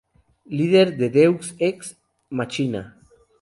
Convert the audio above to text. Lider de Deus Ex Machina.